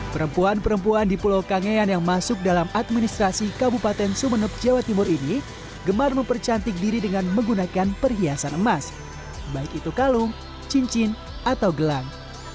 perempuan perempuan di pulau kangean yang masuk dalam administrasi kabupaten sumeneb jawa timur ini gemar mempercantik diri dengan menggunakan perhiasan emas baik itu kalung cincin atau gelang